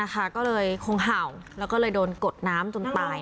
ก็เลยคงเห่าแล้วก็เลยโดนกดน้ำจนตาย